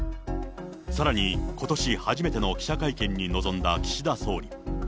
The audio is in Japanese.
さらにことし初めての記者会見に臨んだ岸田総理。